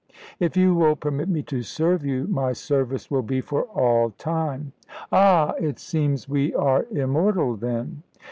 "If you will permit me to serve you, my service will be for all time." "Ah! It seems we are immortal, then?"